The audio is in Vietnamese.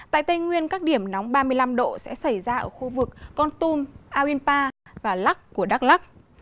tại tây nguyên các điểm nóng ba mươi năm độ sẽ xảy ra ở khu vực con tum arinpa và lắc của đắk lắc